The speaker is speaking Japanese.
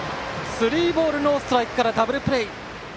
スリーボールノーストライクからダブルプレー。